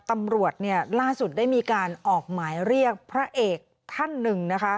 ตำรวจล่าสุดได้มีการออกหมายเรียกพระเอกท่านหนึ่งนะคะ